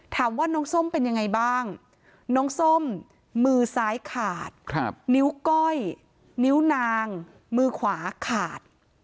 ถามว่าน้องส้มเป็นยังไงบ้างน้องส้มมือซ้ายขาดนิ้วก้อยนิ้วนางมือขวาขาด